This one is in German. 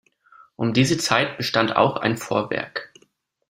Um diese Zeit bestand auch ein Vorwerk.